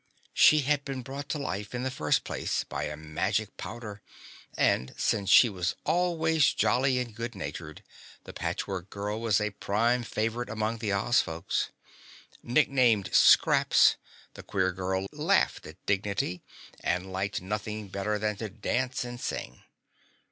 She had been brought to life in the first place by a magic powder, and since she was always jolly and good natured, the Patchwork Girl was a prime favorite among the Oz folks. Nicknamed Scraps, the queer girl laughed at dignity and liked nothing better than to dance and sing.